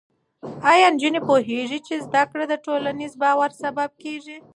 ایا نجونې پوهېږي چې زده کړه د ټولنیز باور سبب کېږي؟